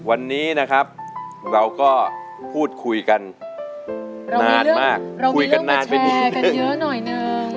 วันนี้นะครับเราก็พูดคุยกันนานมากเรามีเรื่องแบบแชร์กันเยอะหน่อยนึง